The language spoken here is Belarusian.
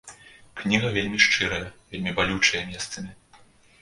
Кніга вельмі шчырая, вельмі балючая месцамі.